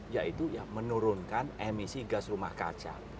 yaitu menurunkan emisi gas rumah kaca